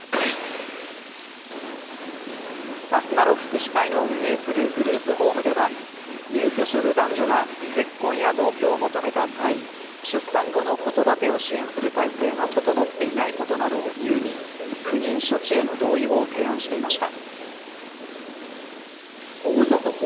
あすなろ福祉会の運営するグループホームでは入居する男女が結婚や同居を求めた際出産後の子育てを支援する体制が整っていないことなどを理由に不妊処置への同意を提案していました。